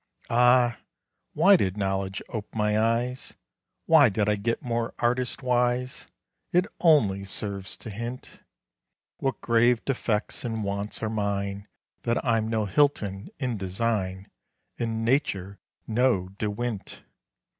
Ah! why did knowledge ope my eyes? Why did I get more artist wise? It only serves to hint, What grave defects and wants are mine; That I'm no Hilton in design In nature no De Wint!